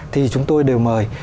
thì chúng tôi đều mời